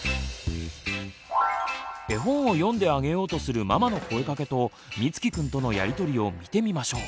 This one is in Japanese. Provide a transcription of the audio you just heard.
絵本を読んであげようとするママの声かけとみつきくんとのやり取りを見てみましょう。